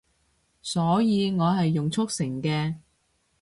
所以我係用速成嘅